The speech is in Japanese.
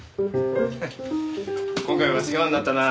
ハハッ今回は世話になったな。